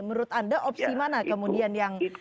menurut anda opsi mana kemudian yang